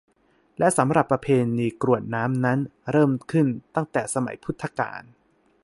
และสำหรับประเพณีกรวดน้ำนั้นเริ่มขึ้นตั้งแต่สมัยพุทธกาล